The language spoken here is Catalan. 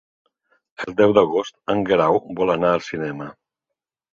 El deu d'agost en Guerau vol anar al cinema.